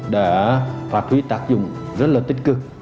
đã phát huy tác dụng rất là tích cực